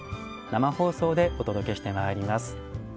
生放送でお届けしてまいります。